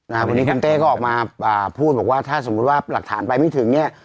เนี่ยอาหารใช่ค่ะถ้าสมมติว่าหลักฐานไปไม่ถึงเนี่ย